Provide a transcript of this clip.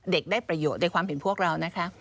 ได้ประโยชน์ในความเห็นพวกเรานะคะ